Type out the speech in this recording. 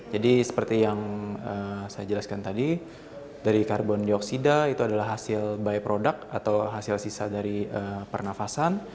seperti yang saya jelaskan tadi dari karbon dioksida itu adalah hasil by product atau hasil sisa dari pernafasan